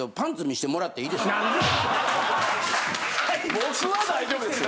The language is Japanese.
僕は大丈夫ですよ